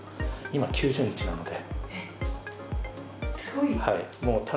今、９０日なので。